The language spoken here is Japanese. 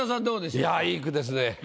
いや良い句ですね。